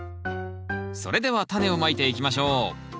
それではタネをまいていきましょう